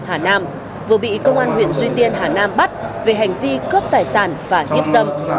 hà nam vừa bị công an huyện suy tiên hà nam bắt về hành vi cướp tài sản và hiếp dâm